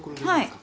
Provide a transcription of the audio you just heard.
はい。